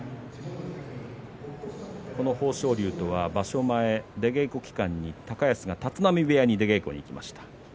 豊昇龍とは場所前に出稽古期間に高安が立浪部屋に出稽古に行きました。